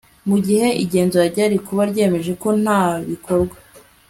mu gihe igenzura ryari kuba ryemeje ko nta bikorwa